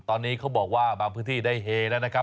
ตอนนี้เขาบอกว่าบางพื้นที่ได้เฮแล้วนะครับ